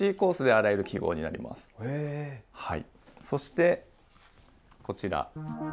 そしてこちら。